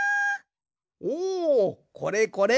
おおこれこれ。